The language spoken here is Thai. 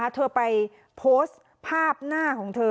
เธอไปโพสต์ภาพหน้าของเธอ